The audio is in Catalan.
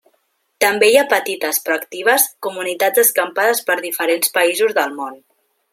També hi ha petites, però actives, comunitats escampades per diferents països del món.